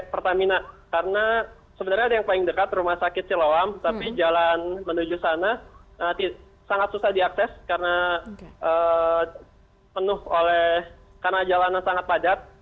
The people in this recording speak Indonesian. pertamina karena sebenarnya ada yang paling dekat rumah sakit siloam tapi jalan menuju sana sangat susah diakses karena penuh oleh karena jalannya sangat padat